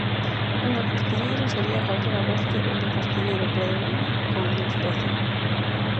Unha castiñeira sería calquera bosque onde o castiñeiro predomina como especie.